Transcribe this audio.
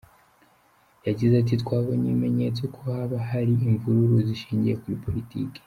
Yagize ati“ Twabonye ibimenyetso ko haba hari imvururu zishingiye kuri politiki.